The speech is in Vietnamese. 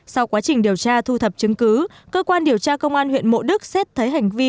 sau quá trình điều tra thu thập chứng cứ cơ quan điều tra công an huyện mộ đức xét thấy hành vi